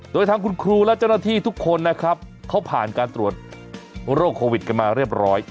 โดยทางคุณครูและเจ้าหน้าที่ทุกคนนะครับเขาผ่านการตรวจโรคโควิดกันมาเรียบร้อย